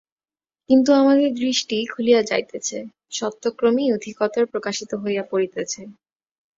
কিন্তু আমাদের দৃষ্টি খুলিয়া যাইতেছে, সত্য ক্রমেই অধিকতর প্রকাশিত হইয়া পড়িতেছে।